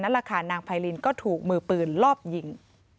นั่นแหละค่ะนางไพรินก็ถูกมือปืนลอบยิง